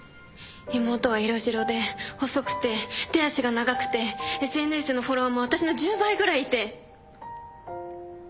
妹は色白で細くて手足が長くてＳＮＳのフォロワーも私の１０倍ぐらいいて。